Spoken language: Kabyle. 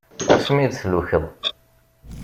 Ass mi d-tlukeḍ.